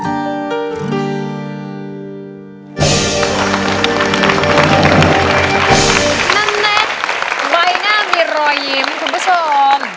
นั้นเน็ตไว้หน้ามีรอยยิ้มทุกผู้ชม